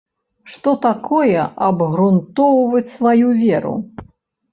Што такое абгрунтоўваць сваю веру?